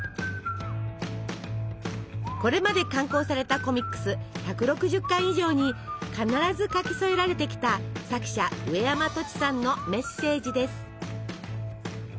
これまで刊行されたコミックス１６０巻以上に必ず書き添えられてきた作者うえやまとちさんのメッセージです。